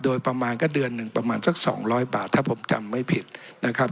โดยประมาณก็เดือนหนึ่งประมาณสักสองร้อยบาทถ้าผมจำไม่ผิดนะครับ